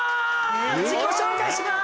自己紹介します！